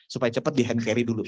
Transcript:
supaya cepat di hand carry dulu